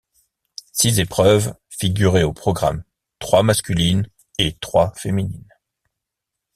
Six épreuves figuraient au programme, trois masculines et trois féminines.